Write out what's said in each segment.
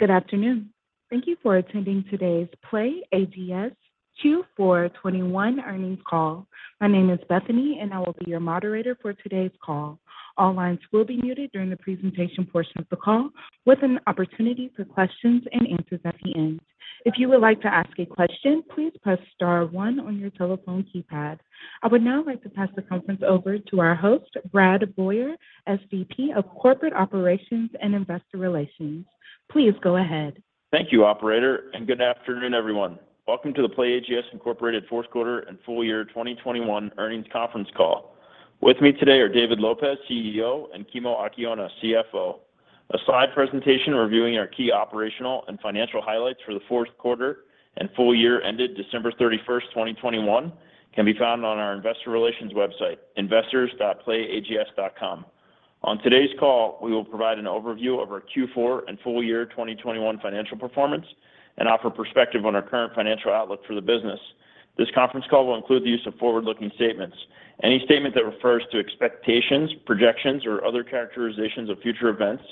Good afternoon. Thank you for attending today's PlayAGS Q4 2021 earnings call. My name is Bethany, and I will be your moderator for today's call. All lines will be muted during the presentation portion of the call with an opportunity for questions and answers at the end. If you would like to ask a question, please press star one on your telephone keypad. I would now like to pass the conference over to our host, Brad Boyer, SVP of Corporate Operations and Investor Relations. Please go ahead. Thank you, operator, and good afternoon, everyone. Welcome to the PlayAGS, Inc. fourth quarter and full year 2021 earnings conference call. With me today are David Lopez, CEO, and Kimo Akiona, CFO. A slide presentation reviewing our key operational and financial highlights for the fourth quarter and full year ended December 31st, 2021 can be found on our investor relations website, investors.playags.com. On today's call, we will provide an overview of our Q4 and full year 2021 financial performance and offer perspective on our current financial outlook for the business. This conference call will include the use of forward-looking statements. Any statement that refers to expectations, projections, or other characterizations of future events,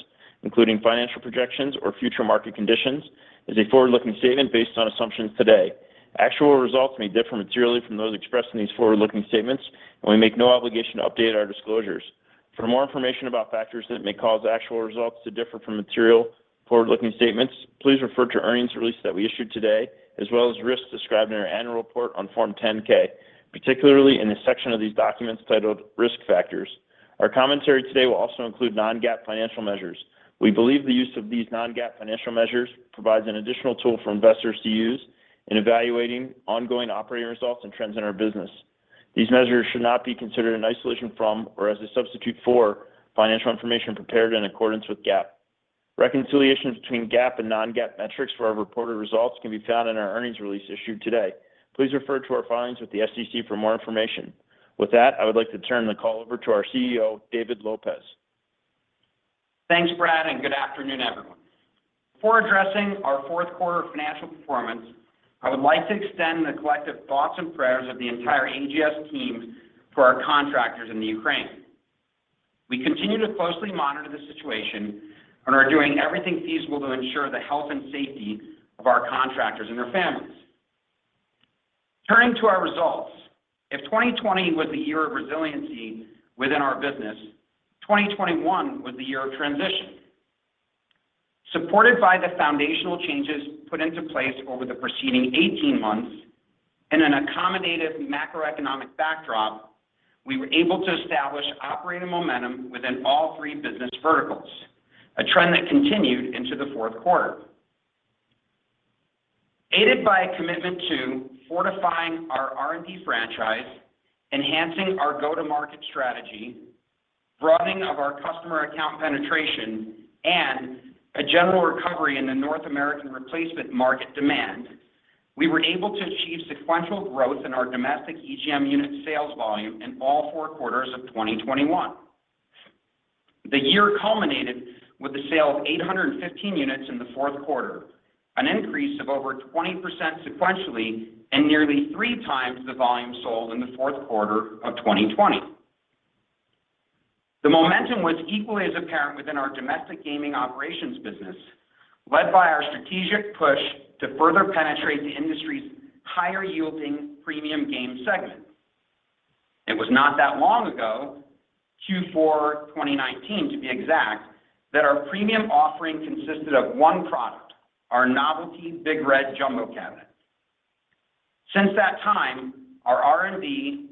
including financial projections or future market conditions, is a forward-looking statement based on assumptions today. Actual results may differ materially from those expressed in these forward-looking statements, and we undertake no obligation to update our disclosures. For more information about factors that may cause actual results to differ materially from forward-looking statements, please refer to earnings release that we issued today, as well as risks described in our annual report on Form 10-K, particularly in the section of these documents titled Risk Factors. Our commentary today will also include non-GAAP financial measures. We believe the use of these non-GAAP financial measures provides an additional tool for investors to use in evaluating ongoing operating results and trends in our business. These measures should not be considered in isolation from or as a substitute for financial information prepared in accordance with GAAP. Reconciliations between GAAP and non-GAAP metrics for our reported results can be found in our earnings release issued today. Please refer to our filings with the SEC for more information. With that, I would like to turn the call over to our CEO, David Lopez. Thanks, Brad, and good afternoon, everyone. Before addressing our fourth quarter financial performance, I would like to extend the collective thoughts and prayers of the entire AGS team for our contractors in the Ukraine. We continue to closely monitor the situation and are doing everything feasible to ensure the health and safety of our contractors and their families. Turning to our results, if 2020 was the year of resiliency within our business, 2021 was the year of transition. Supported by the foundational changes put into place over the preceding 18 months and an accommodative macroeconomic backdrop, we were able to establish operating momentum within all three business verticals, a trend that continued into the fourth quarter. Aided by a commitment to fortifying our R&D franchise, enhancing our go-to-market strategy, broadening of our customer account penetration, and a general recovery in the North American replacement market demand, we were able to achieve sequential growth in our domestic EGM unit sales volume in all four quarters of 2021. The year culminated with the sale of 815 units in the fourth quarter, an increase of over 20% sequentially and nearly three times the volume sold in the fourth quarter of 2020. The momentum was equally as apparent within our domestic gaming operations business, led by our strategic push to further penetrate the industry's higher-yielding premium game segment. It was not that long ago, Q4 2019 to be exact, that our premium offering consisted of one product, our novelty Big Red Jumbo Cabinet. Since that time, our R&D,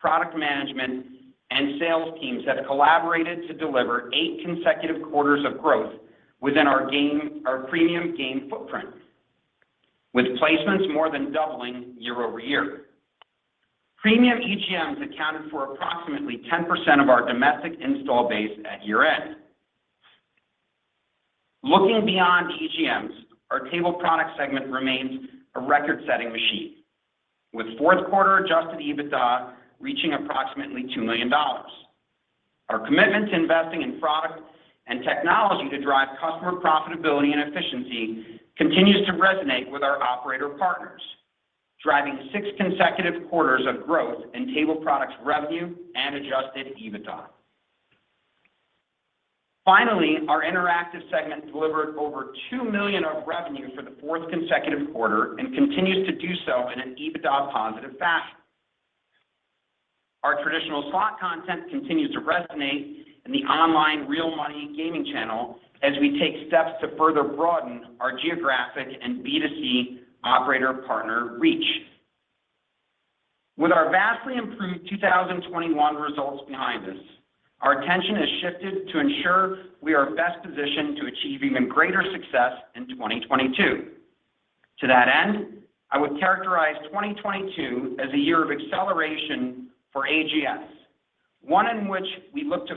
product management, and sales teams have collaborated to deliver eight consecutive quarters of growth within our premium game footprint, with placements more than doubling year-over-year. Premium EGMs accounted for approximately 10% of our domestic install base at year-end. Looking beyond EGMs, our table product segment remains a record-setting machine, with fourth quarter adjusted EBITDA reaching approximately $2 million. Our commitment to investing in product and technology to drive customer profitability and efficiency continues to resonate with our operator partners, driving six consecutive quarters of growth in table products revenue and adjusted EBITDA. Finally, our interactive segment delivered over $2 million of revenue for the fourth consecutive quarter and continues to do so in an EBITDA-positive fashion. Our traditional slot content continues to resonate in the online real money gaming channel as we take steps to further broaden our geographic and B2C operator partner reach. With our vastly improved 2021 results behind us, our attention has shifted to ensure we are best positioned to achieve even greater success in 2022. To that end, I would characterize 2022 as a year of acceleration for AGS, one in which we look to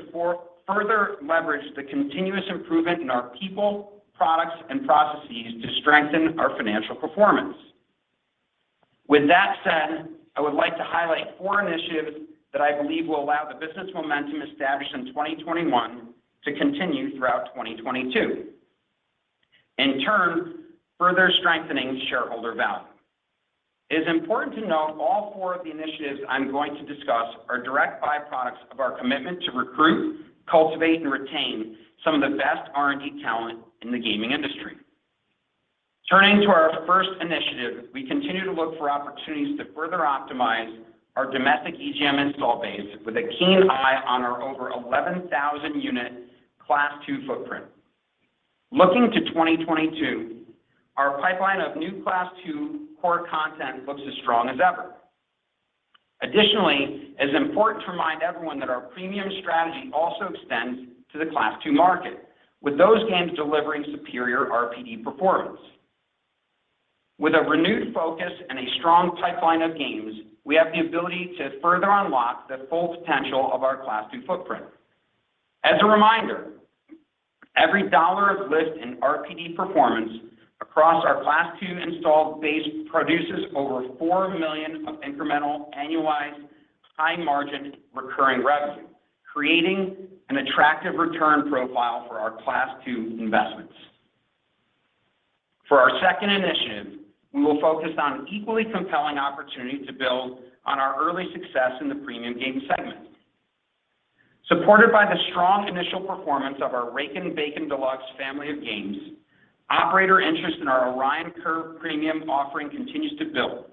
further leverage the continuous improvement in our people, products, and processes to strengthen our financial performance. With that said, I would like to highlight 4 initiatives that I believe will allow the business momentum established in 2021 to continue throughout 2022, in turn, further strengthening shareholder value. It is important to note all 4 of the initiatives I'm going to discuss are direct byproducts of our commitment to recruit, cultivate, and retain some of the best R&D talent in the gaming industry. Turning to our first initiative, we continue to look for opportunities to further optimize our domestic EGM install base with a keen eye on our over 11,000-unit Class II footprint. Looking to 2022, our pipeline of new Class II core content looks as strong as ever. Additionally, it's important to remind everyone that our premium strategy also extends to the Class II market, with those games delivering superior RPD performance. With a renewed focus and a strong pipeline of games, we have the ability to further unlock the full potential of our Class II footprint. As a reminder, every dollar of lift in RPD performance across our Class II installed base produces over $4 million of incremental, annualized, high-margin recurring revenue, creating an attractive return profile for our Class II investments. For our second initiative, we will focus on an equally compelling opportunity to build on our early success in the premium game segment. Supported by the strong initial performance of our Rakin' Bacon Deluxe family of games, operator interest in our Orion Curve Premium offering continues to build.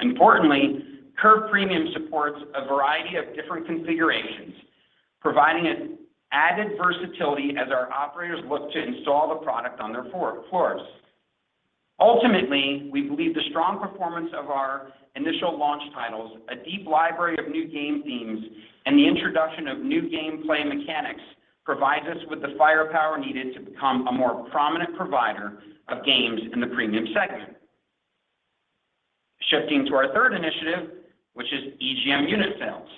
Importantly, Curve Premium supports a variety of different configurations, providing an added versatility as our operators look to install the product on their floors. Ultimately, we believe the strong performance of our initial launch titles, a deep library of new game themes, and the introduction of new gameplay mechanics provides us with the firepower needed to become a more prominent provider of games in the premium segment. Shifting to our third initiative, which is EGM unit sales.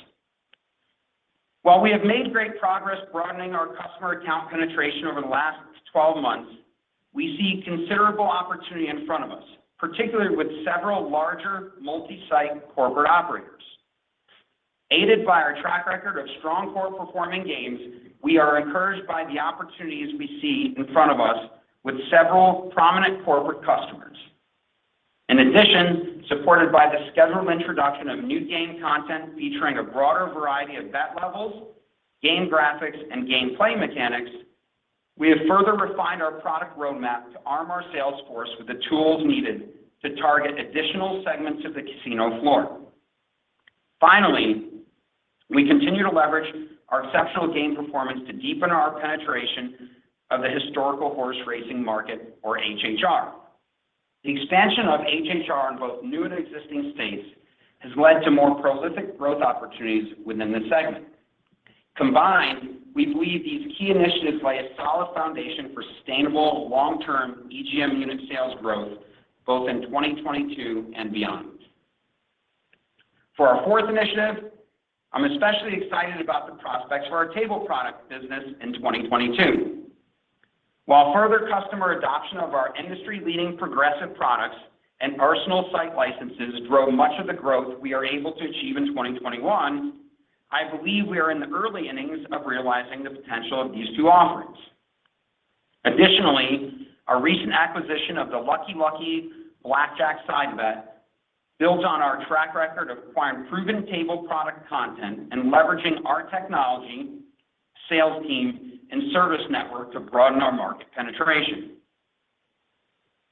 While we have made great progress broadening our customer account penetration over the last 12 months, we see considerable opportunity in front of us, particularly with several larger multi-site corporate operators. Aided by our track record of strong core performing games, we are encouraged by the opportunities we see in front of us with several prominent corporate customers. In addition, supported by the scheduled introduction of new game content featuring a broader variety of bet levels, game graphics, and gameplay mechanics, we have further refined our product roadmap to arm our sales force with the tools needed to target additional segments of the casino floor. Finally, we continue to leverage our exceptional game performance to deepen our penetration of the historical horse racing market or HHR. The expansion of HHR in both new and existing states has led to more prolific growth opportunities within the segment. Combined, we believe these key initiatives lay a solid foundation for sustainable long-term EGM unit sales growth both in 2022 and beyond. For our fourth initiative, I'm especially excited about the prospects for our table product business in 2022. While further customer adoption of our industry-leading progressive products and Arsenal site licenses drove much of the growth we are able to achieve in 2021, I believe we are in the early innings of realizing the potential of these two offerings. Additionally, our recent acquisition of the Lucky Lucky Blackjack side bet builds on our track record of acquiring proven table product content and leveraging our technology, sales team, and service network to broaden our market penetration.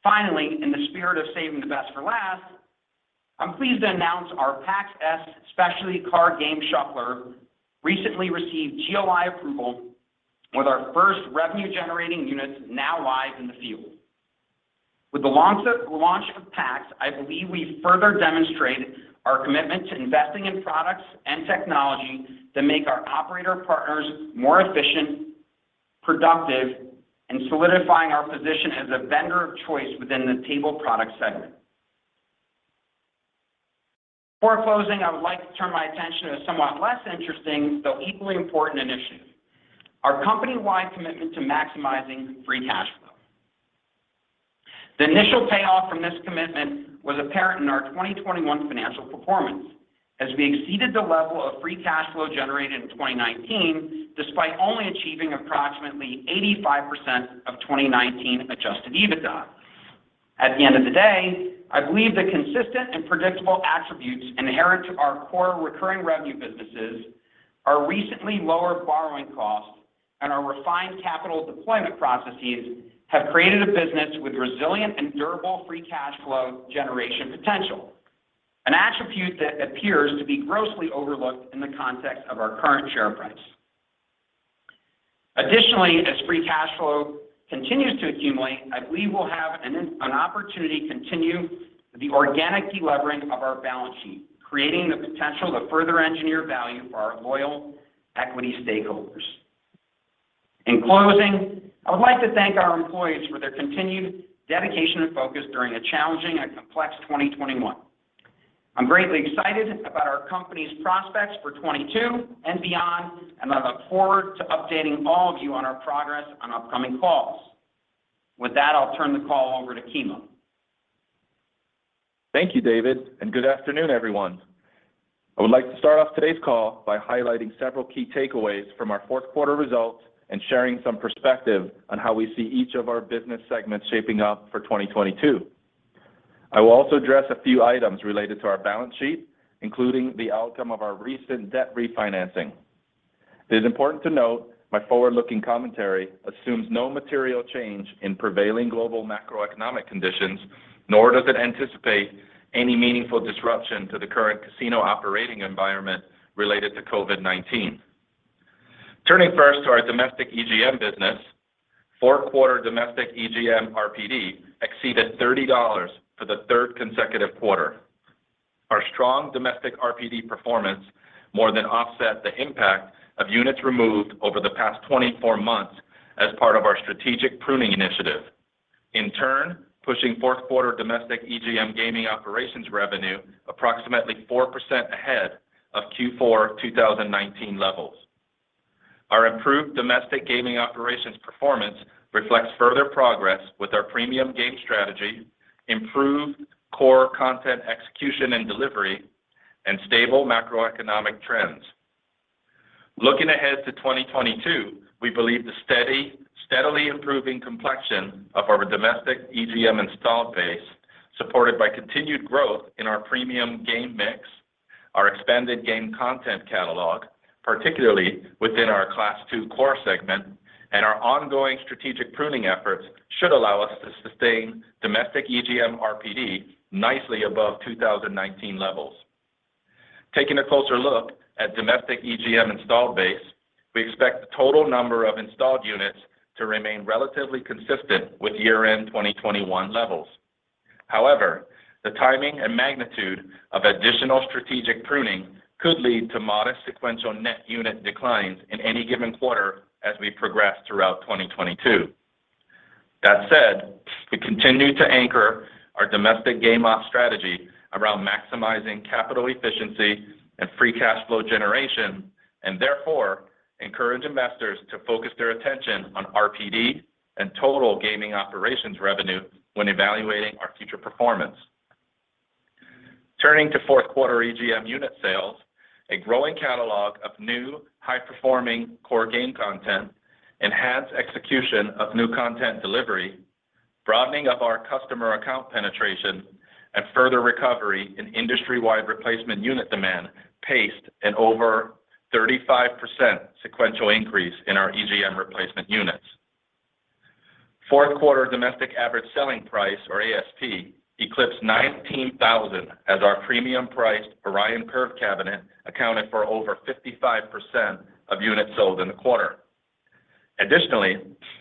Finally, in the spirit of saving the best for last, I'm pleased to announce our PAX S specialty card game shuffler recently received GLI approval with our first revenue-generating units now live in the field. With the launch of PAX, I believe we further demonstrate our commitment to investing in products and technology that make our operator partners more efficient, productive, and solidifying our position as a vendor of choice within the table product segment. Before closing, I would like to turn my attention to a somewhat less interesting, though equally important initiative, our company-wide commitment to maximizing free cash flow. The initial payoff from this commitment was apparent in our 2021 financial performance as we exceeded the level of free cash flow generated in 2019 despite only achieving approximately 85% of 2019 adjusted EBITDA. At the end of the day, I believe the consistent and predictable attributes inherent to our core recurring revenue businesses, our recently lowered borrowing costs, and our refined capital deployment processes have created a business with resilient and durable free cash flow generation potential, an attribute that appears to be grossly overlooked in the context of our current share price. Additionally, as free cash flow continues to accumulate, I believe we'll have an opportunity to continue the organic delevering of our balance sheet, creating the potential to further engineer value for our loyal equity stakeholders. In closing, I would like to thank our employees for their continued dedication and focus during a challenging and complex 2021. I'm greatly excited about our company's prospects for 2022 and beyond, and I look forward to updating all of you on our progress on upcoming calls. With that, I'll turn the call over to Kimo. Thank you, David, and good afternoon, everyone. I would like to start off today's call by highlighting several key takeaways from our fourth quarter results and sharing some perspective on how we see each of our business segments shaping up for 2022. I will also address a few items related to our balance sheet, including the outcome of our recent debt refinancing. It is important to note my forward-looking commentary assumes no material change in prevailing global macroeconomic conditions, nor does it anticipate any meaningful disruption to the current casino operating environment related to COVID-19. Turning first to our domestic EGM business, fourth quarter domestic EGM RPD exceeded $30 for the third consecutive quarter. Our strong domestic RPD performance more than offset the impact of units removed over the past 24 months as part of our strategic pruning initiative. In turn, pushing fourth quarter domestic EGM gaming operations revenue approximately 4% ahead of Q4 2019 levels. Our improved domestic gaming operations performance reflects further progress with our premium game strategy, improved core content execution and delivery, and stable macroeconomic trends. Looking ahead to 2022, we believe the steadily improving complexion of our domestic EGM installed base, supported by continued growth in our premium game mix, our expanded game content catalog, particularly within our Class II Core segment, and our ongoing strategic pruning efforts should allow us to sustain domestic EGM RPD nicely above 2019 levels. Taking a closer look at domestic EGM installed base, we expect the total number of installed units to remain relatively consistent with year-end 2021 levels. However, the timing and magnitude of additional strategic pruning could lead to modest sequential net unit declines in any given quarter as we progress throughout 2022. That said, we continue to anchor our domestic game op strategy around maximizing capital efficiency and free cash flow generation, and therefore encourage investors to focus their attention on RPD and total gaming operations revenue when evaluating our future performance. Turning to fourth quarter EGM unit sales, a growing catalog of new, high-performing core game content, enhanced execution of new content delivery, broadening of our customer account penetration, and further recovery in industry-wide replacement unit demand paced an over 35% sequential increase in our EGM replacement units. Fourth quarter domestic average selling price, or ASP, eclipsed $19,000 as our premium-priced Orion Curve cabinet accounted for over 55% of units sold in the quarter. Additionally,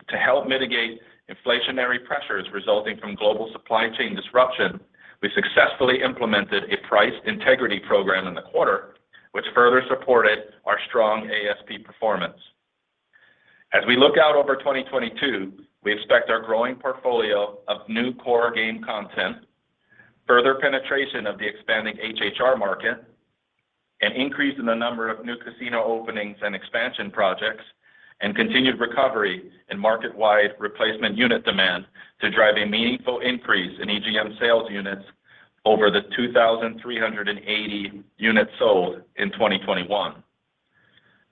to help mitigate inflationary pressures resulting from global supply chain disruption, we successfully implemented a price integrity program in the quarter, which further supported our strong ASP performance. As we look out over 2022, we expect our growing portfolio of new core game content, further penetration of the expanding HHR market, an increase in the number of new casino openings and expansion projects, and continued recovery in market-wide replacement unit demand to drive a meaningful increase in EGM sales units over the 2,380 units sold in 2021.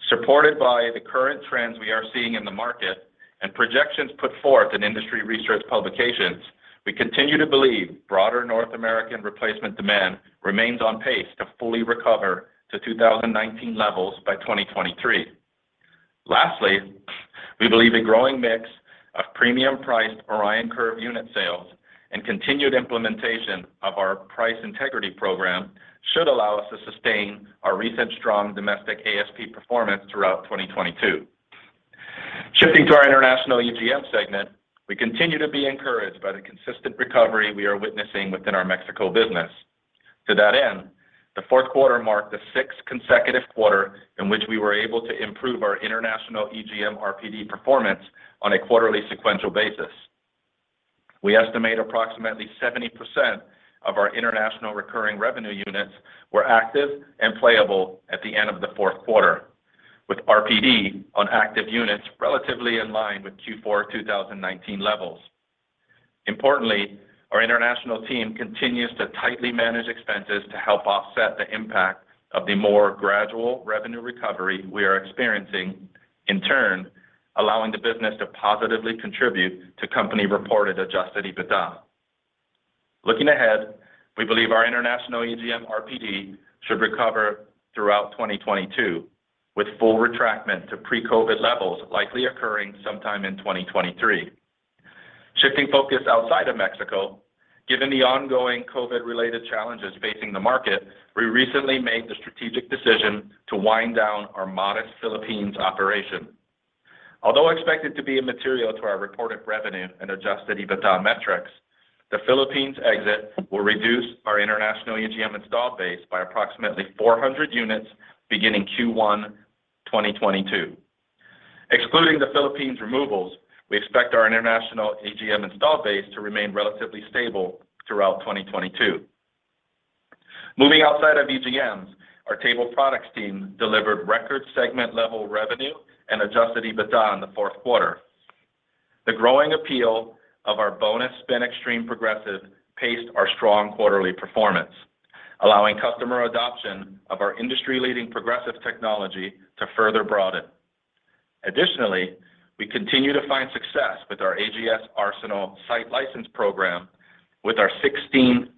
Supported by the current trends we are seeing in the market and projections put forth in industry research publications, we continue to believe broader North American replacement demand remains on pace to fully recover to 2019 levels by 2023. Lastly, we believe a growing mix of premium-priced Orion Curve unit sales and continued implementation of our price integrity program should allow us to sustain our recent strong domestic ASP performance throughout 2022. Shifting to our international EGM segment, we continue to be encouraged by the consistent recovery we are witnessing within our Mexico business. To that end, the fourth quarter marked the sixth consecutive quarter in which we were able to improve our international EGM RPD performance on a quarterly sequential basis. We estimate approximately 70% of our international recurring revenue units were active and playable at the end of the fourth quarter, with RPD on active units relatively in line with Q4 2019 levels. Importantly, our international team continues to tightly manage expenses to help offset the impact of the more gradual revenue recovery we are experiencing, in turn, allowing the business to positively contribute to company-reported adjusted EBITDA. Looking ahead, we believe our international EGM RPD should recover throughout 2022, with full reattainment to pre-COVID levels likely occurring sometime in 2023. Shifting focus outside of Mexico, given the ongoing COVID-related challenges facing the market, we recently made the strategic decision to wind down our modest Philippines operation. Although expected to be immaterial to our reported revenue and adjusted EBITDA metrics, the Philippines exit will reduce our international EGM installed base by approximately 400 units beginning Q1 2022. Excluding the Philippines removals, we expect our international EGM installed base to remain relatively stable throughout 2022. Moving outside of EGMs, our table products team delivered record segment-level revenue and adjusted EBITDA in the fourth quarter. The growing appeal of our Bonus Spin Xtreme Progressive paced our strong quarterly performance, allowing customer adoption of our industry-leading progressive technology to further broaden. Additionally, we continue to find success with our AGS Arsenal site license program with our 16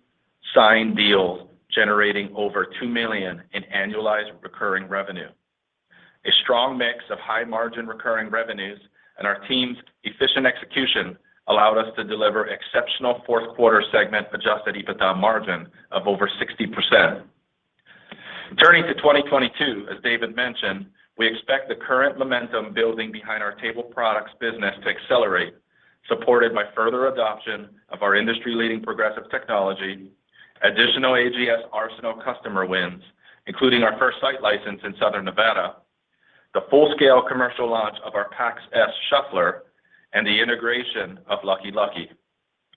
signed deals generating over $2 million in annualized recurring revenue. A strong mix of high-margin recurring revenues and our team's efficient execution allowed us to deliver exceptional fourth quarter segment adjusted EBITDA margin of over 60%. Turning to 2022, as David mentioned, we expect the current momentum building behind our table products business to accelerate, supported by further adoption of our industry-leading progressive technology, additional AGS Arsenal customer wins, including our first site license in Southern Nevada, the full-scale commercial launch of our PAX S shuffler, and the integration of Lucky Lucky.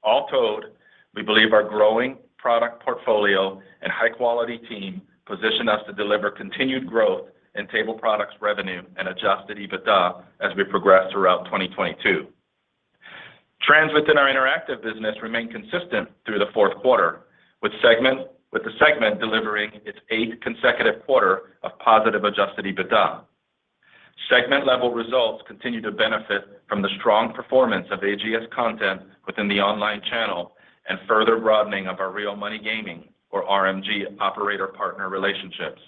All told, we believe our growing product portfolio and high-quality team position us to deliver continued growth in table products revenue and adjusted EBITDA as we progress throughout 2022. Trends within our interactive business remain consistent through the fourth quarter, with the segment delivering its eighth consecutive quarter of positive adjusted EBITDA. Segment-level results continue to benefit from the strong performance of AGS content within the online channel and further broadening of our real money gaming or RMG operator partner relationships.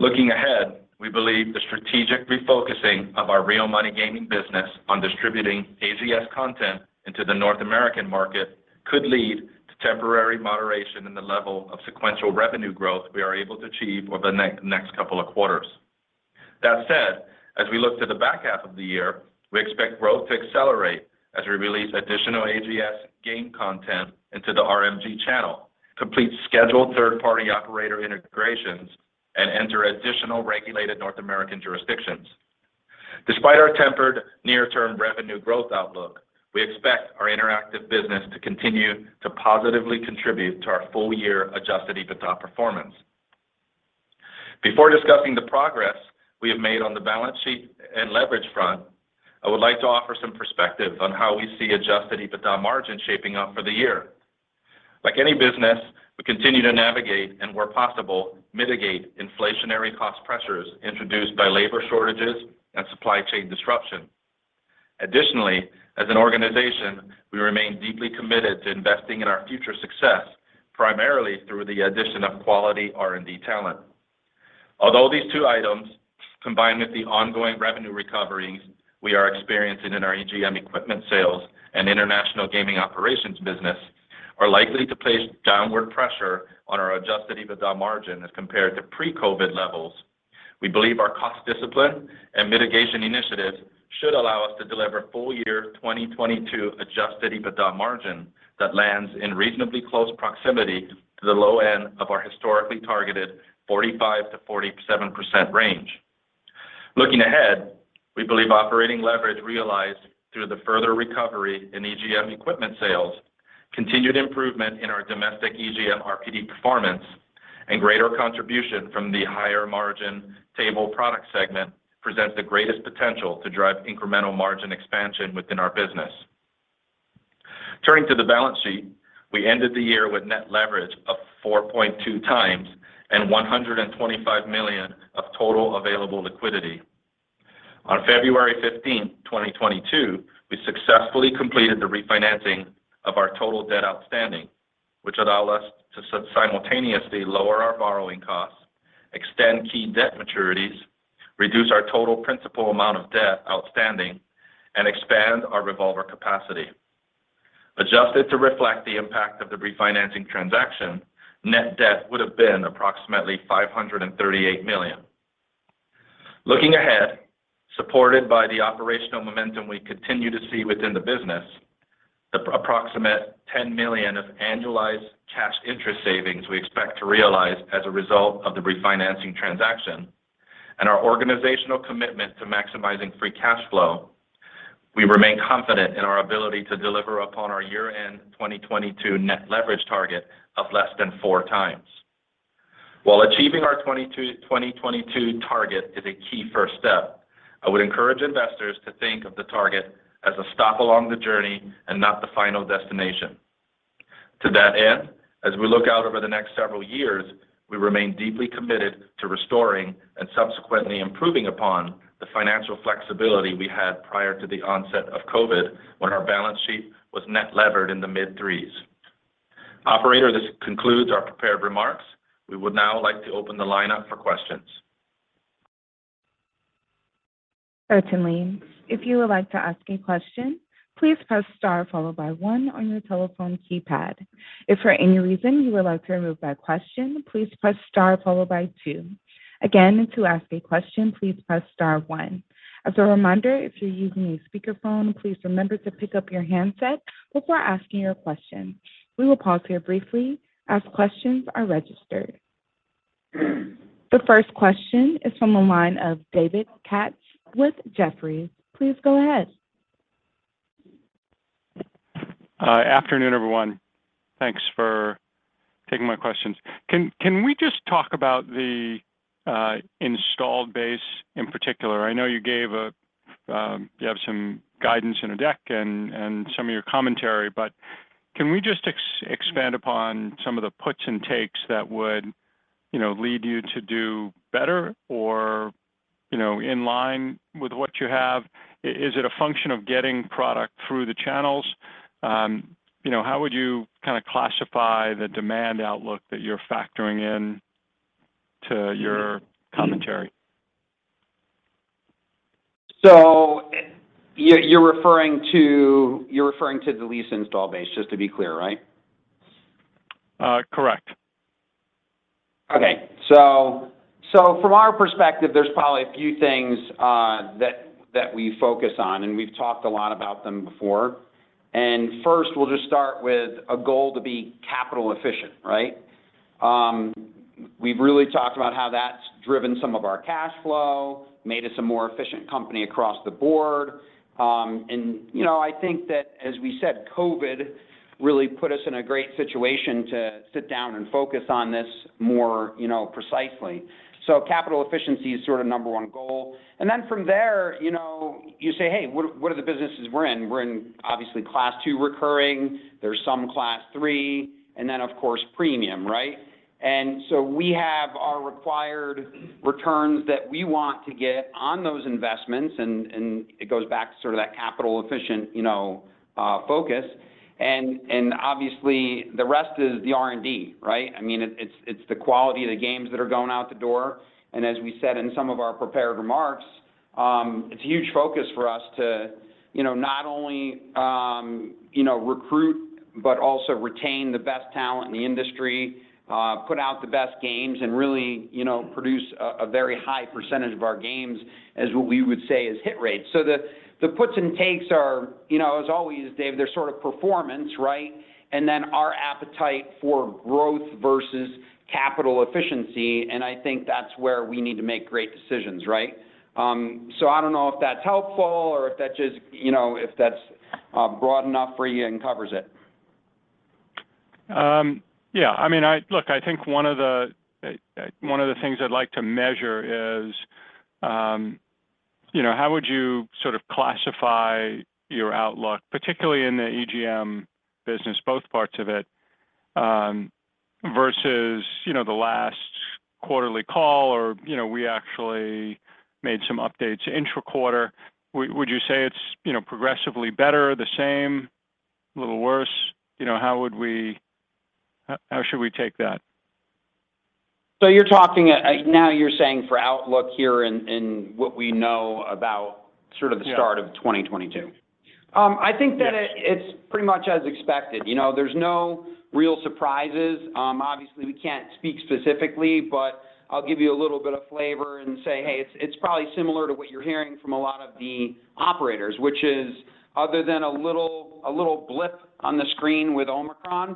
Looking ahead, we believe the strategic refocusing of our real money gaming business on distributing AGS content into the North American market could lead to temporary moderation in the level of sequential revenue growth we are able to achieve over the next couple of quarters. That said, as we look to the back half of the year, we expect growth to accelerate as we release additional AGS game content into the RMG channel, complete scheduled third-party operator integrations, and enter additional regulated North American jurisdictions. Despite our tempered near-term revenue growth outlook, we expect our interactive business to continue to positively contribute to our full-year adjusted EBITDA performance. Before discussing the progress we have made on the balance sheet and leverage front, I would like to offer some perspective on how we see adjusted EBITDA margin shaping up for the year. Like any business, we continue to navigate and, where possible, mitigate inflationary cost pressures introduced by labor shortages and supply chain disruption. Additionally, as an organization, we remain deeply committed to investing in our future success, primarily through the addition of quality R&D talent. Although these two items, combined with the ongoing revenue recoveries we are experiencing in our EGM equipment sales and international gaming operations business, are likely to place downward pressure on our adjusted EBITDA margin as compared to pre-COVID levels, we believe our cost discipline and mitigation initiatives should allow us to deliver full-year 2022 adjusted EBITDA margin that lands in reasonably close proximity to the low end of our historically targeted 45%-47% range. Looking ahead, we believe operating leverage realized through the further recovery in EGM equipment sales, continued improvement in our domestic EGM RPD performance, and greater contribution from the higher-margin table product segment presents the greatest potential to drive incremental margin expansion within our business. Turning to the balance sheet, we ended the year with net leverage of 4.2x and $125 million of total available liquidity. On February 15, 2022, we successfully completed the refinancing of our total debt outstanding, which allowed us to simultaneously lower our borrowing costs, extend key debt maturities, reduce our total principal amount of debt outstanding, and expand our revolver capacity. Adjusted to reflect the impact of the refinancing transaction, net debt would have been approximately $538 million. Looking ahead, supported by the operational momentum we continue to see within the business, the approximate $10 million of annualized cash interest savings we expect to realize as a result of the refinancing transaction, and our organizational commitment to maximizing free cash flow, we remain confident in our ability to deliver upon our year-end 2022 net leverage target of less than 4x. While achieving our 2022 target is a key first step, I would encourage investors to think of the target as a stop along the journey and not the final destination. To that end, as we look out over the next several years, we remain deeply committed to restoring and subsequently improving upon the financial flexibility we had prior to the onset of COVID when our balance sheet was net levered in the mid-3s. Operator, this concludes our prepared remarks. We would now like to open the line up for questions. The first question is from the line of David Katz with Jefferies. Please go ahead. Afternoon, everyone. Thanks for taking my questions. Can we just talk about the installed base in particular? I know you have some guidance in the deck and some of your commentary. Can we just expand upon some of the puts and takes that would, you know, lead you to do better or, you know, in line with what you have? Is it a function of getting product through the channels? You know, how would you kinda classify the demand outlook that you're factoring into your commentary? You're referring to the leased installed base, just to be clear, right? Correct. Okay. From our perspective, there's probably a few things that we focus on, and we've talked a lot about them before. First, we'll just start with a goal to be capital efficient, right? We've really talked about how that's driven some of our cash flow, made us a more efficient company across the board. You know, I think that, as we said, COVID really put us in a great situation to sit down and focus on this more, you know, precisely. Capital efficiency is sort of number one goal. Then from there, you know, you say, "Hey, what are the businesses we're in?" We're in, obviously, Class II recurring. There's some Class III, and then of course, premium, right? We have our required returns that we want to get on those investments and it goes back to sort of that capital efficient, you know, focus. Obviously, the rest is the R&D, right? I mean, it's the quality of the games that are going out the door. As we said in some of our prepared remarks, it's a huge focus for us to, you know, not only, you know, recruit, but also retain the best talent in the industry, put out the best games, and really, you know, produce a very high percentage of our games as what we would say is hit rates. The puts and takes are, you know, as always, Dave, they're sort of performance, right? Our appetite for growth versus capital efficiency, and I think that's where we need to make great decisions, right? I don't know if that's helpful or if that just, you know, if that's broad enough for you and covers it. I mean, look, I think one of the things I'd like to measure is, you know, how would you sort of classify your outlook, particularly in the EGM business, both parts of it, versus, you know, the last quarterly call or, you know, we actually made some updates intra-quarter. Would you say it's, you know, progressively better, the same, a little worse? You know, how should we take that? Now you're saying for outlook here in what we know about sort of Yeah... the start of 2022. I think that- Yes It's pretty much as expected. You know, there's no real surprises. Obviously we can't speak specifically, but I'll give you a little bit of flavor and say, "Hey, it's probably similar to what you're hearing from a lot of the operators," which is other than a little blip on the screen with Omicron,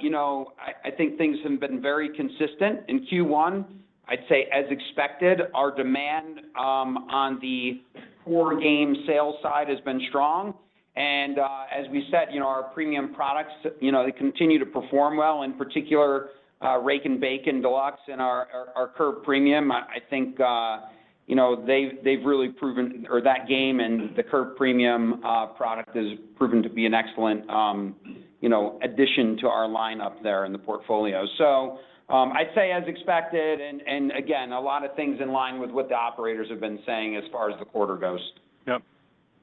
you know, I think things have been very consistent. In Q1, I'd say as expected, our demand on the core game sales side has been strong. As we said, you know, our premium products, you know, they continue to perform well, in particular, Rakin' Bacon Deluxe and our Curve Premium. I think, you know, they've really proven or that game and the Curve Premium product has proven to be an excellent, you know, addition to our lineup there in the portfolio. I'd say as expected and again, a lot of things in line with what the operators have been saying as far as the quarter goes. Yep.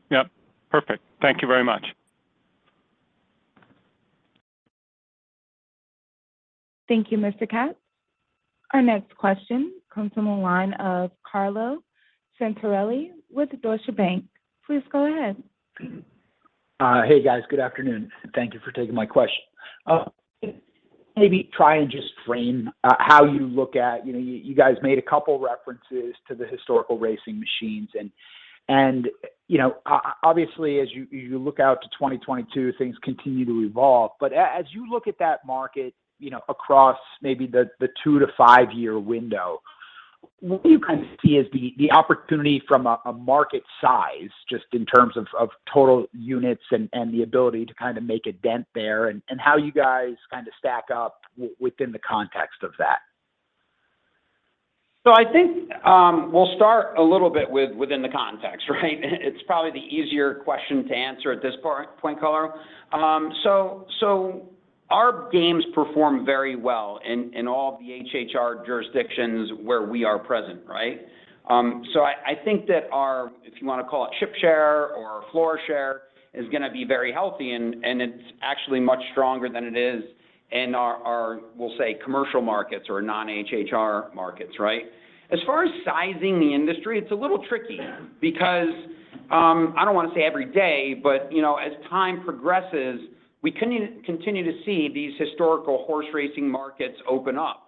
Yep. Perfect. Thank you very much. Thank you, Mr. Katz. Our next question comes from the line of Carlo Santarelli with Deutsche Bank. Please go ahead. Hey, guys. Good afternoon. Thank you for taking my question. Maybe try and just frame how you look at, you know. You guys made a couple references to the historical racing machines and, you know, obviously, as you look out to 2022, things continue to evolve. As you look at that market, you know, across maybe the two- to five-year window, what do you guys see as the opportunity from a market size, just in terms of total units and the ability to kind of make a dent there, and how you guys kind of stack up within the context of that? I think we'll start a little bit within the context, right? It's probably the easier question to answer at this point, Carlo. Our games perform very well in all the HHR jurisdictions where we are present, right? I think that our, if you wanna call it ship share or floor share, is gonna be very healthy and it's actually much stronger than it is in our, we'll say, commercial markets or non-HHR markets, right? As far as sizing the industry, it's a little tricky because I don't wanna say every day, but you know, as time progresses, we continue to see these historical horse racing markets open up.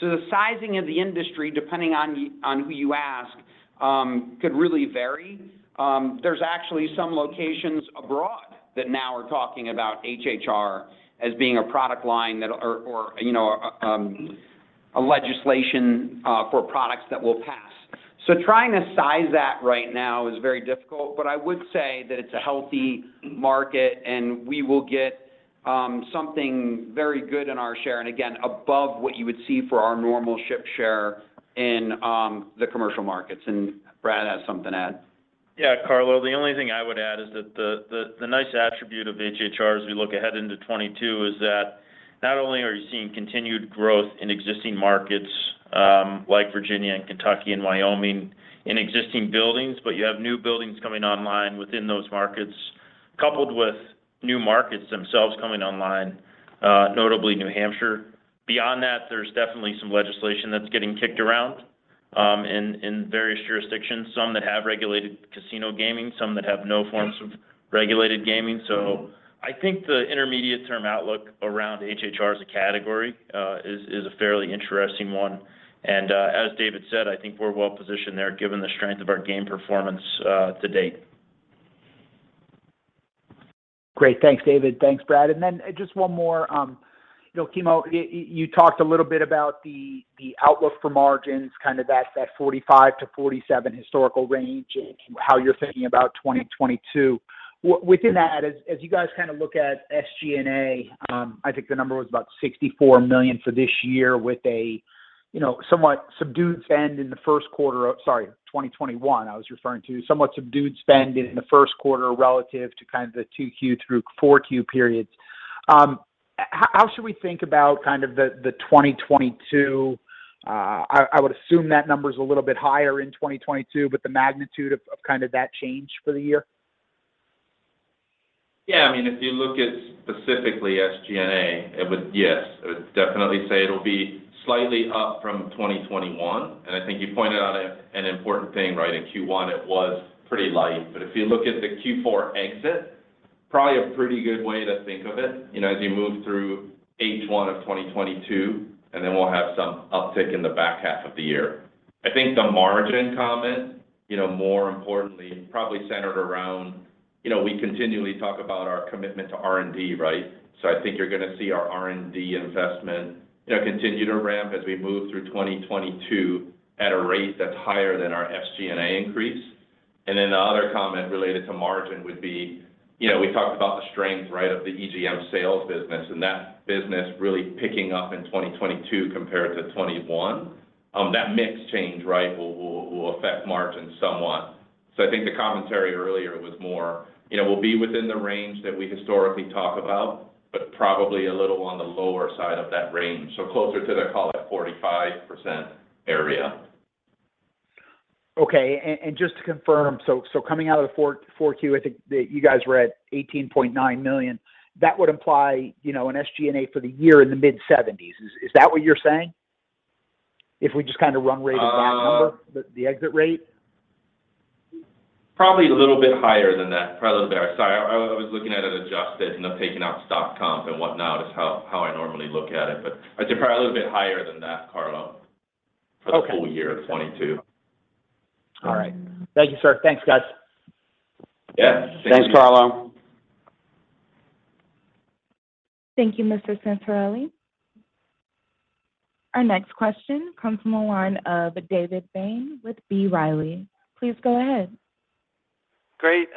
The sizing of the industry, depending on who you ask, could really vary. There's actually some locations abroad that now are talking about HHR as being a product line that, you know, a legislation for products that will pass. Trying to size that right now is very difficult, but I would say that it's a healthy market, and we will get something very good in our share, and again, above what you would see for our normal ship share in the commercial markets. Brad has something to add. Yeah, Carlo, the only thing I would add is that the nice attribute of HHR as we look ahead into 2022 is that not only are you seeing continued growth in existing markets, like Virginia and Kentucky and Wyoming in existing buildings, but you have new buildings coming online within those markets, coupled with new markets themselves coming online, notably New Hampshire. Beyond that, there's definitely some legislation that's getting kicked around, in various jurisdictions, some that have regulated casino gaming, some that have no forms of regulated gaming. So I think the intermediate-term outlook around HHR as a category is a fairly interesting one. As David said, I think we're well positioned there given the strength of our game performance to date. Great. Thanks, David. Thanks, Brad. Then just one more. You know, Kimo, you talked a little bit about the outlook for margins, kind of that 45%-47% historical range and how you're thinking about 2022. Within that, as you guys kind of look at SG&A, I think the number was about $64 million for this year with a, you know, somewhat subdued spend in the first quarter of, sorry, 2021, I was referring to. Somewhat subdued spend in the first quarter relative to kind of the 2Q through 4Q periods. How should we think about kind of the 2022? I would assume that number is a little bit higher in 2022, but the magnitude of kind of that change for the year? Yeah. I mean, if you look at specifically SG&A, it would—yes, I would definitely say it'll be slightly up from 2021. I think you pointed out an important thing, right? In Q1, it was pretty light. If you look at the Q4 exit, probably a pretty good way to think of it, you know, as you move through H1 of 2022, and then we'll have some uptick in the back half of the year. I think the margin comment, you know, more importantly, probably centered around, you know, we continually talk about our commitment to R&D, right? I think you're gonna see our R&D investment, you know, continue to ramp as we move through 2022 at a rate that's higher than our SG&A increase. Then the other comment related to margin would be, you know, we talked about the strength, right, of the EGM sales business, and that business really picking up in 2022 compared to 2021. That mix change, right, will affect margin somewhat. I think the commentary earlier was more, you know, we'll be within the range that we historically talk about, but probably a little on the lower side of that range. Closer to the, call it, 45% area. Just to confirm, coming out of the Q4, I think that you guys were at $18.9 million. That would imply, you know, an SG&A for the year in the mid-seventies. Is that what you're saying? If we just kind of run rate of that number, the exit rate? Probably a little bit higher than that. Sorry, I was looking at it adjusted and then taking out stock comp and whatnot is how I normally look at it. I'd say probably a little bit higher than that, Carlo. Okay for the full year of 2022. All right. Thank you, sir. Thanks, guys. Yeah. Thank you. Thanks, Carlo. Thank you, Mr. Santarelli. Our next question comes from the line of David Bain with B. Riley. Please go ahead. Great.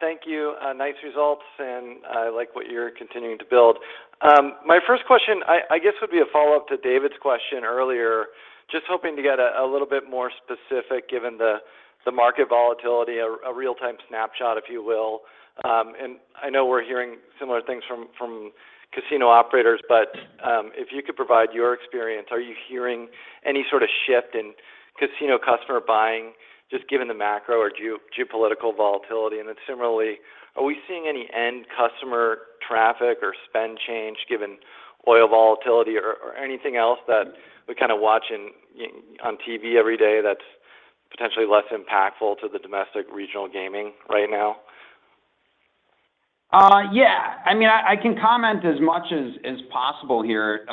Thank you. Nice results, and I like what you're continuing to build. My first question, I guess would be a follow-up to David's question earlier, just hoping to get a little bit more specific given the market volatility, a real-time snapshot, if you will. And I know we're hearing similar things from casino operators, but if you could provide your experience, are you hearing any sort of shift in casino customer buying, just given the macro or geopolitical volatility? And then similarly, are we seeing any end customer traffic or spend change given oil volatility or anything else that we're kind of watching on TV every day that's potentially less impactful to the domestic regional gaming right now? Yeah. I mean, I can comment as much as possible here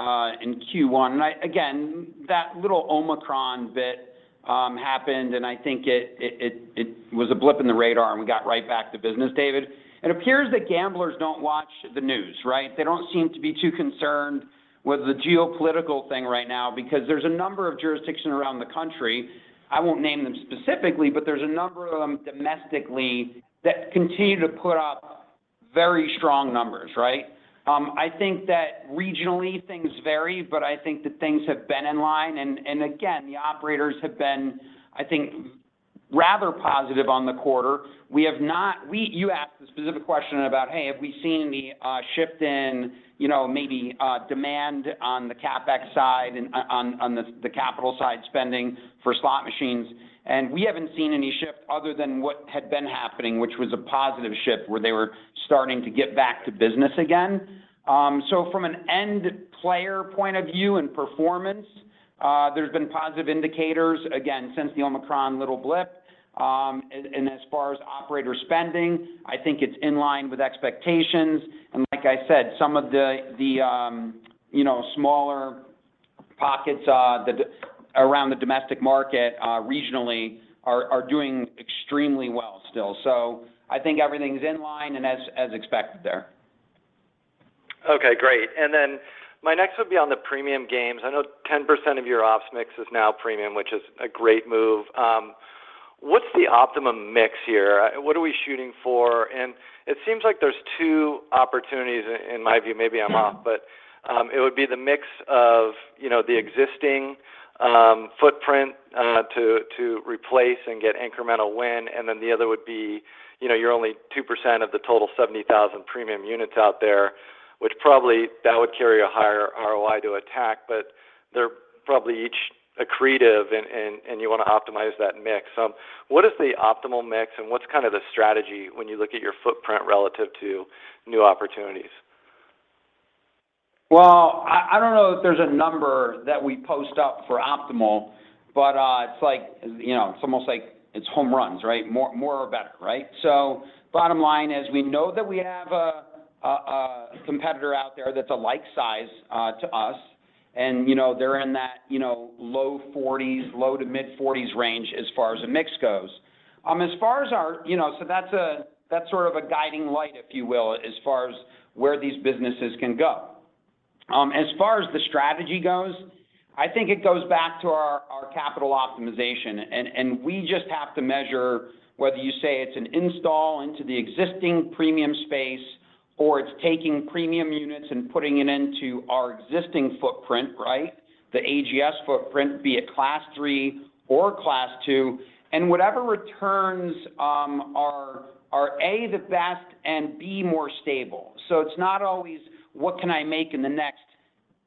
in Q1. I again, that little Omicron bit happened, and I think it was a blip in the radar, and we got right back to business, David. It appears that gamblers don't watch the news, right? They don't seem to be too concerned with the geopolitical thing right now because there's a number of jurisdictions around the country, I won't name them specifically, but there's a number of them domestically that continue to put up very strong numbers, right? I think that regionally things vary, but I think that things have been in line. Again, the operators have been, I think, rather positive on the quarter. You asked a specific question about, "Hey, have we seen the shift in, maybe, demand on the CapEx side and on the capital side spending for slot machines?" We haven't seen any shift other than what had been happening, which was a positive shift, where they were starting to get back to business again. From an end player point of view and performance, there's been positive indicators, again, since the Omicron little blip. As far as operator spending, I think it's in line with expectations. Like I said, some of the smaller pockets around the domestic market regionally are doing extremely well still. I think everything's in line and as expected there. Okay, great. My next would be on the premium games. I know 10% of your ops mix is now premium, which is a great move. What's the optimum mix here? What are we shooting for? It seems like there's two opportunities in my view, maybe I'm off, but it would be the mix of, you know, the existing footprint to replace and get incremental win. The other would be, you know, you're only 2% of the total 70,000 premium units out there, which probably that would carry a higher ROI to attack, but they're probably each accretive and you wanna optimize that mix. What is the optimal mix and what's kind of the strategy when you look at your footprint relative to new opportunities? Well, I don't know if there's a number that we post up for optimal, but it's like, you know, it's almost like it's home runs, right? More or better, right? Bottom line is we know that we have a competitor out there that's like-sized to us. And you know, they're in that low 40s, low to mid-40s range as far as a mix goes. That's sort of a guiding light, if you will, as far as where these businesses can go. As far as the strategy goes, I think it goes back to our capital optimization. We just have to measure whether you say it's an install into the existing premium space, or it's taking premium units and putting it into our existing footprint, right? The AGS footprint, be it Class III or Class II, and whatever returns are A, the best and B, more stable. It's not always what can I make in the next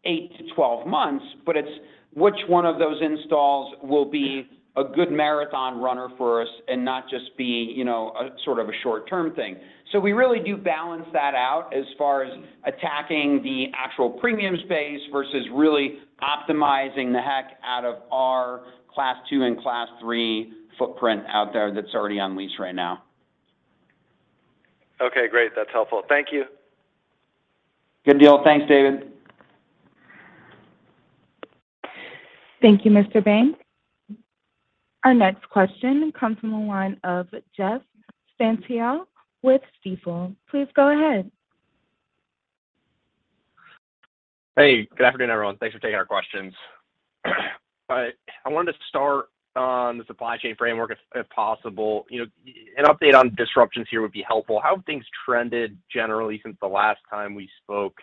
8 months-12 months, but it's which one of those installs will be a good marathon runner for us and not just be, you know, a sort of a short-term thing. We really do balance that out as far as attacking the actual premium space versus really optimizing the heck out of our Class II and Class III footprint out there that's already on lease right now. Okay, great. That's helpful. Thank you. Good deal. Thanks, David. Thank you, Mr. Bain. Our next question comes from the line of Jeff Stantial with Stifel. Please go ahead. Hey, good afternoon, everyone. Thanks for taking our questions. I wanted to start on the supply chain framework if possible. You know, an update on disruptions here would be helpful. How have things trended generally since the last time we spoke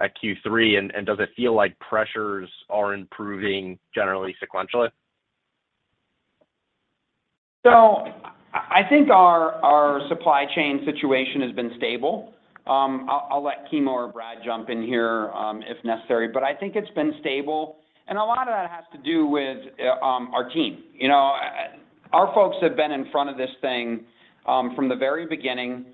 at Q3? Does it feel like pressures are improving generally sequentially? I think our supply chain situation has been stable. I'll let Kimo or Brad jump in here if necessary, but I think it's been stable. A lot of that has to do with our team. You know, our folks have been in front of this thing from the very beginning.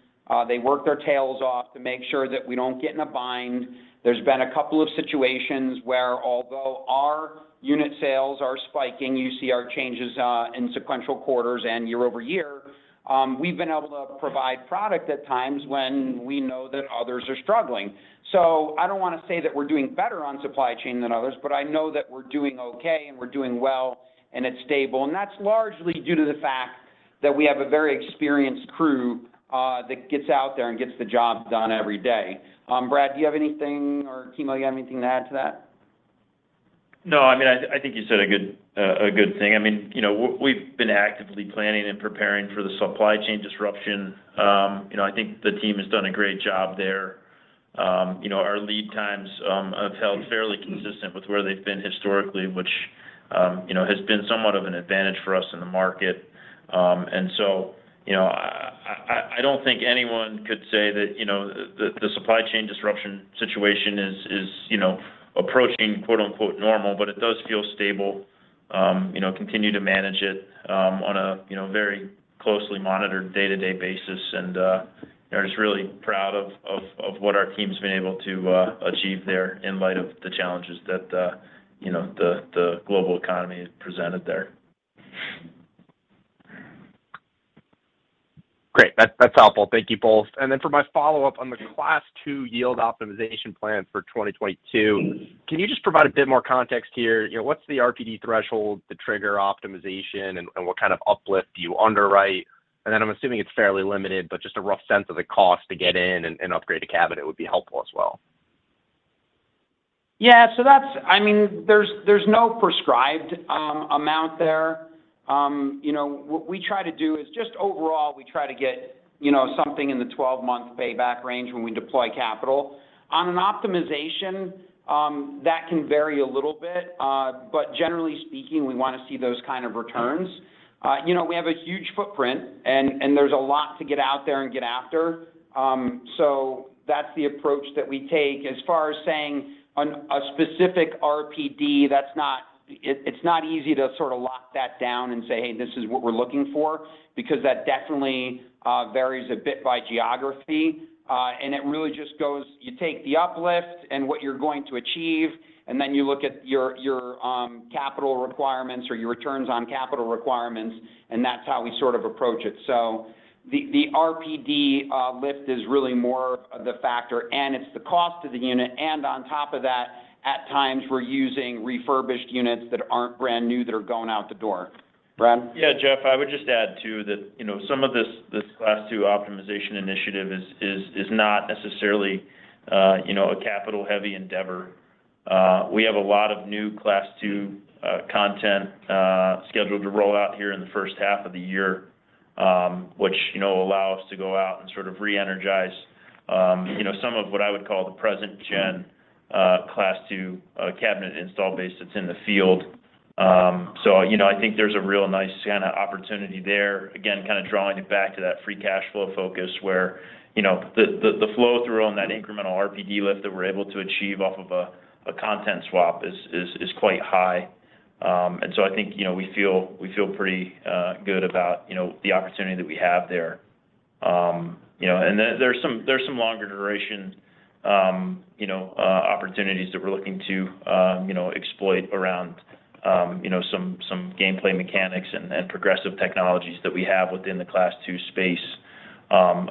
They work their tails off to make sure that we don't get in a bind. There's been a couple of situations where although our unit sales are spiking, you see our changes in sequential quarters and year-over-year. We've been able to provide product at times when we know that others are struggling. I don't wanna say that we're doing better on supply chain than others, but I know that we're doing okay and we're doing well and it's stable. That's largely due to the fact that we have a very experienced crew that gets out there and gets the job done every day. Brad, do you have anything or Kimo, you have anything to add to that? No. I mean, I think you said a good thing. I mean, you know, we've been actively planning and preparing for the supply chain disruption. You know, I think the team has done a great job there. You know, our lead times have held fairly consistent with where they've been historically, which you know, has been somewhat of an advantage for us in the market. You know, I don't think anyone could say that you know, the supply chain disruption situation is you know, approaching "normal," but it does feel stable. You know, continue to manage it on a you know, very closely monitored day-to-day basis. They're just really proud of what our team's been able to achieve there in light of the challenges that you know, the global economy has presented there. Great. That's helpful. Thank you both. For my follow-up on the Class II yield optimization plan for 2022, can you just provide a bit more context here? You know, what's the RPD threshold to trigger optimization and what kind of uplift do you underwrite? I'm assuming it's fairly limited, but just a rough sense of the cost to get in and upgrade a cabinet would be helpful as well. Yeah. I mean, there's no prescribed amount there. You know, what we try to do is just overall, we try to get you know, something in the 12-month payback range when we deploy capital. On an optimization, that can vary a little bit. Generally speaking, we wanna see those kind of returns. You know, we have a huge footprint and there's a lot to get out there and get after. That's the approach that we take. As far as saying on a specific RPD, that's not easy to sort of lock that down and say, "Hey, this is what we're looking for," because that definitely varies a bit by geography. It really just goes, you take the uplift and what you're going to achieve, and then you look at your capital requirements or your returns on capital requirements, and that's how we sort of approach it. The RPD lift is really more the factor, and it's the cost of the unit. On top of that, at times, we're using refurbished units that aren't brand new that are going out the door. Brian? Yeah, Jeff, I would just add too that, you know, some of this Class II optimization initiative is not necessarily, you know, a capital-heavy endeavor. We have a lot of new Class II content scheduled to roll out here in the first half of the year, which, you know, allow us to go out and sort of re-energize, you know, some of what I would call the present gen Class II cabinet install base that's in the field. So, you know, I think there's a real nice kinda opportunity there. Again, kinda drawing it back to that free cash flow focus where, you know, the flow through on that incremental RPD lift that we're able to achieve off of a content swap is quite high. I think, you know, we feel pretty good about, you know, the opportunity that we have there. You know, there is some longer duration opportunities that we are looking to, you know, exploit around, you know, some gameplay mechanics and progressive technologies that we have within the Class II space.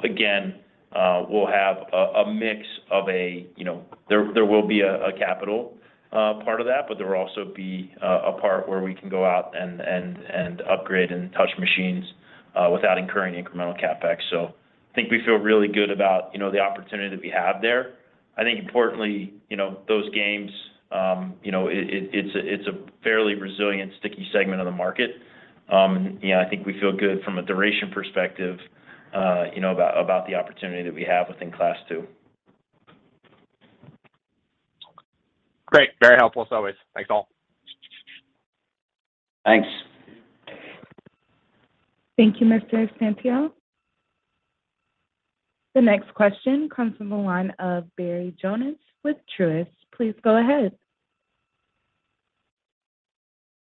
Again, we will have a mix of a, you know. There will be a capital part of that, but there will also be a part where we can go out and upgrade and touch machines without incurring incremental CapEx. I think we feel really good about, you know, the opportunity that we have there. I think importantly, you know, those games, you know, it's a fairly resilient sticky segment of the market. You know, I think we feel good from a duration perspective, you know, about the opportunity that we have within Class II. Great. Very helpful as always. Thanks all. Thanks. Thank you, Mr. Stantial. The next question comes from the line of Barry Jonas with Truist. Please go ahead.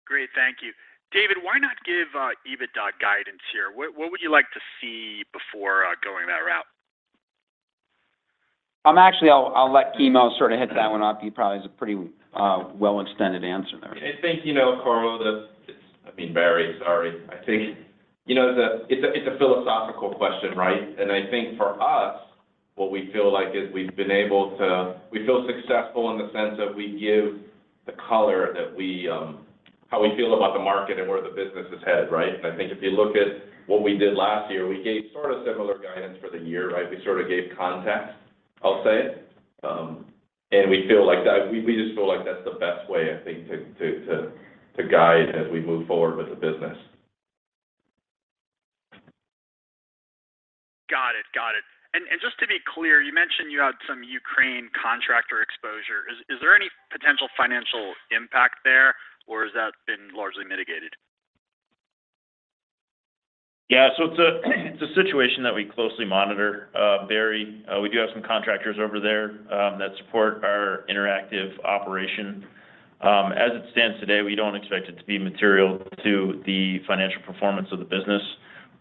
Great. Thank you. David, why not give EBITDA guidance here? What would you like to see before going that route? Actually I'll let Kimo sort of hit that one off. He probably has a pretty well-extended answer there. I think, you know, Carlo, that I mean, Barry, sorry. I think, you know, it's a philosophical question, right? I think for us, what we feel like is we feel successful in the sense that we give the color that we how we feel about the market and where the business is headed, right? I think if you look at what we did last year, we gave sort of similar guidance for the year, right? We sort of gave context, I'll say. We feel like that we just feel like that's the best way, I think, to guide as we move forward with the business. Got it. Just to be clear, you mentioned you had some Ukraine contractor exposure. Is there any potential financial impact there, or has that been largely mitigated? Yeah. It's a situation that we closely monitor, Barry. We do have some contractors over there that support our interactive operation. As it stands today, we don't expect it to be material to the financial performance of the business.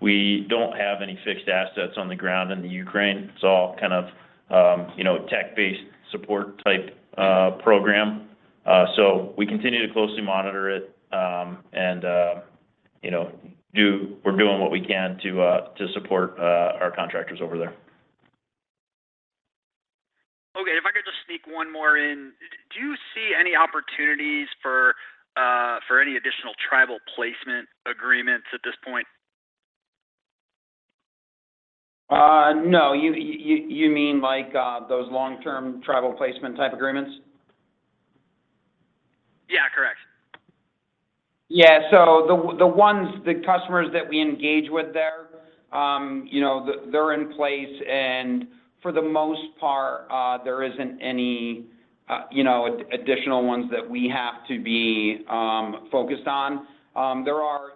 We don't have any fixed assets on the ground in the Ukraine. It's all kind of, you know, tech-based support type program. We continue to closely monitor it. We're doing what we can to support our contractors over there. Okay. If I could just sneak one more in. Do you see any opportunities for any additional tribal placement agreements at this point? No. You mean like those long-term tribal placement type agreements? Yeah, correct. Yeah. The ones, the customers that we engage with there, you know, they're in place and for the most part, you know, there isn't any, you know, additional ones that we have to be focused on.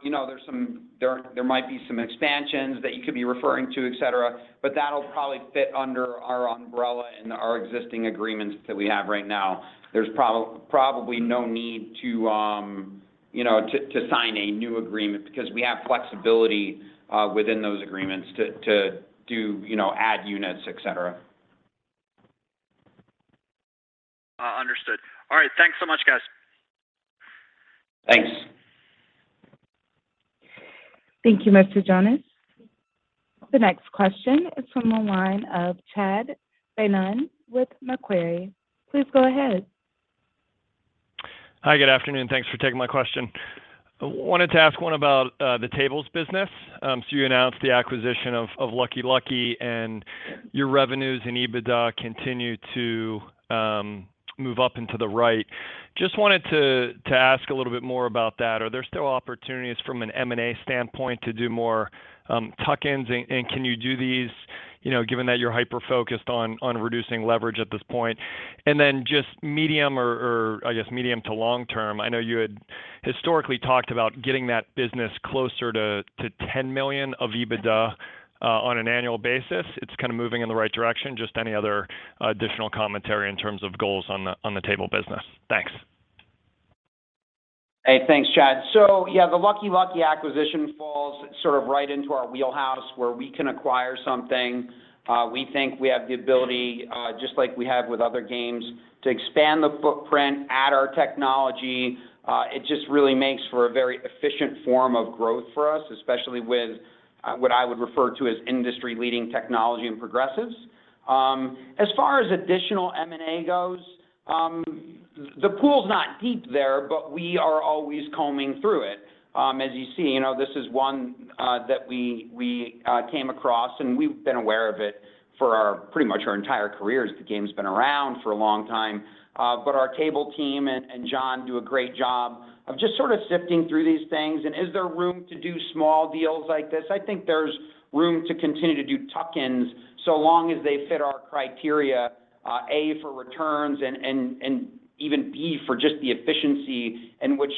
You know, there's some, there might be some expansions that you could be referring to, et cetera, but that'll probably fit under our umbrella and our existing agreements that we have right now. There's probably no need to, you know, to sign a new agreement because we have flexibility within those agreements to do, you know, add units, et cetera. Understood. All right. Thanks so much, guys. Thanks. Thank you, Mr. Jonas. The next question is from the line of Chad Beynon with Macquarie. Please go ahead. Hi, good afternoon. Thanks for taking my question. I wanted to ask one about the tables business. So you announced the acquisition of Lucky Lucky, and your revenues and EBITDA continue to move up into the right. Just wanted to ask a little bit more about that. Are there still opportunities from an M&A standpoint to do more tuck-ins? And can you do these, you know, given that you're hyper-focused on reducing leverage at this point? And then just medium or I guess medium to long term, I know you had historically talked about getting that business closer to 10 million of EBITDA on an annual basis. It's kinda moving in the right direction. Just any other additional commentary in terms of goals on the table business. Thanks. Hey, thanks, Chad. Yeah, the Lucky Lucky acquisition falls sort of right into our wheelhouse where we can acquire something. We think we have the ability, just like we have with other games to expand the footprint, add our technology. It just really makes for a very efficient form of growth for us, especially with what I would refer to as industry-leading technology and progressives. As far as additional M&A goes, the pool's not deep there, but we are always combing through it. As you see, you know, this is one that we came across, and we've been aware of it for pretty much our entire careers. The game's been around for a long time, but our table team and John do a great job of just sort of sifting through these things. Is there room to do small deals like this? I think there's room to continue to do tuck-ins, so long as they fit our criteria, A, for returns and even B, for just the efficiency in which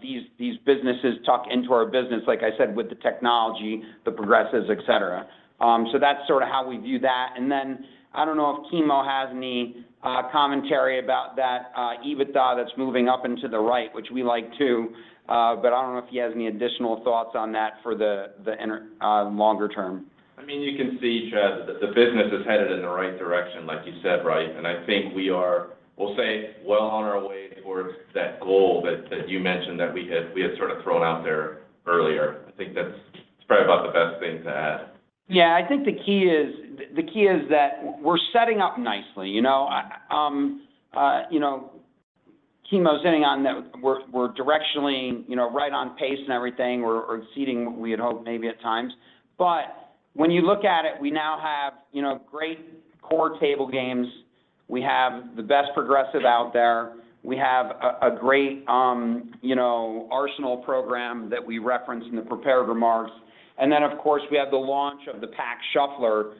these businesses tuck into our business, like I said, with the technology, the progressives, et cetera. So that's sort of how we view that. Then I don't know if Kimo has any commentary about that, EBITDA that's moving up and to the right, which we like too, but I don't know if he has any additional thoughts on that for the longer term. I mean, you can see, Chad, that the business is headed in the right direction, like you said, right? I think we are, we'll say well on our way towards that goal that you mentioned that we had sort of thrown out there earlier. I think that's probably about the best thing to add. Yeah. I think the key is that we're setting up nicely, you know? You know, Kimo's hitting on that we're directionally right on pace and everything. We're exceeding what we had hoped maybe at times. When you look at it, we now have great core table games. We have the best progressive out there. We have a great Arsenal program that we referenced in the prepared remarks. Then, of course, we have the launch of the PAX S shuffler,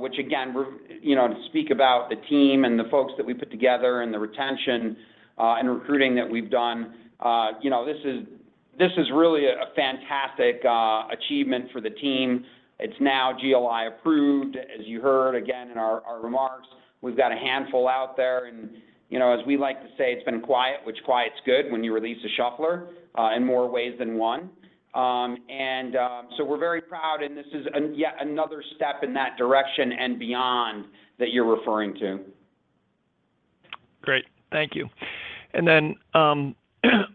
which again, to speak about the team and the folks that we put together and the retention and recruiting that we've done, you know, this is really a fantastic achievement for the team. It's now GLI approved, as you heard again in our remarks. We've got a handful out there and, you know, as we like to say, it's been quiet, which quiet's good when you release a shuffler in more ways than one. We're very proud, and this is yet another step in that direction and beyond that you're referring to. Great. Thank you.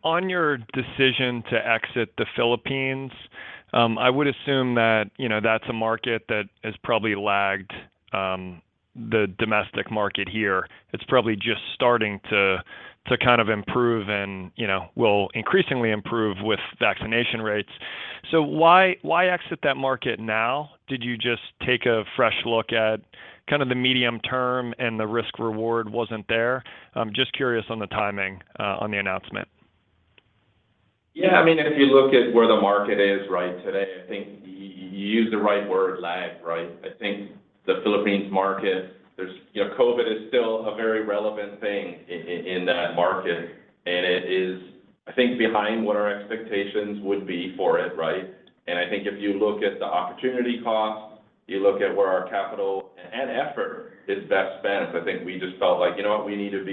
On your decision to exit the Philippines, I would assume that, you know, that's a market that has probably lagged the domestic market here. It's probably just starting to kind of improve and, you know, will increasingly improve with vaccination rates. Why exit that market now? Did you just take a fresh look at kind of the medium term and the risk reward wasn't there? I'm just curious on the timing, on the announcement. Yeah. I mean, if you look at where the market is, right, today, I think you used the right word, lag, right? I think the Philippines market, there's. You know, COVID is still a very relevant thing in that market, and it is, I think, behind what our expectations would be for it, right? I think if you look at the opportunity cost, you look at where our capital and effort is best spent, I think we just felt like, "You know what? We need to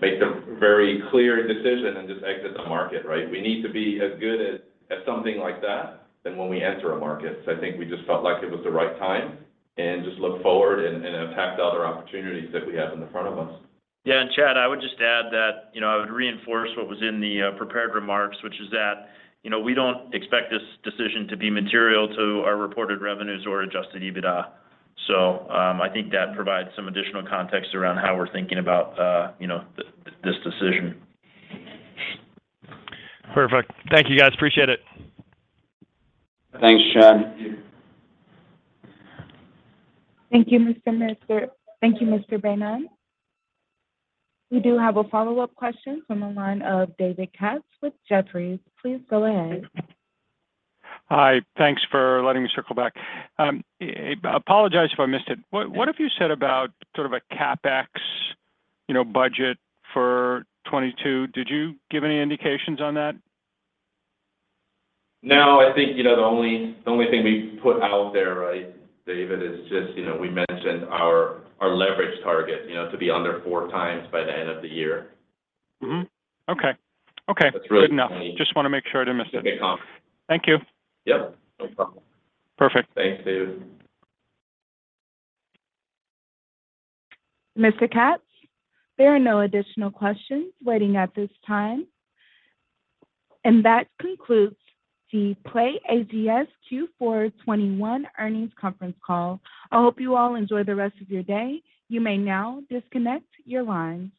make the very clear decision and just exit the market," right? We need to be as good at something like that than when we enter a market. I think we just felt like it was the right time and just look forward and attack the other opportunities that we have in front of us. Chad, I would just add that, you know, I would reinforce what was in the prepared remarks, which is that, you know, we don't expect this decision to be material to our reported revenues or adjusted EBITDA. So, I think that provides some additional context around how we're thinking about this decision. Perfect. Thank you, guys. Appreciate it. Thanks, Chad. Thank you, Mr. [Minister]Thank you, Mr. Beynon. We do have a follow-up question from the line of David Katz with Jefferies. Please go ahead. Hi. Thanks for letting me circle back. I apologize if I missed it. What have you said about sort of a CapEx, you know, budget for 2022? Did you give any indications on that? No. I think, you know, the only thing we put out there, right, David, is just, you know, we mentioned our leverage target, you know, to be under 4x by the end of the year. Okay. Okay. That's really the only. Good enough. Just wanna make sure I didn't miss it. Okay, cool. Thank you. Yep. No problem. Perfect. Thanks, David. Mr. Katz, there are no additional questions waiting at this time. That concludes the PlayAGS Q4 2021 Earnings Conference Call. I hope you all enjoy the rest of your day. You may now disconnect your lines.